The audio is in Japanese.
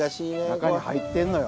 中に入ってんのよ。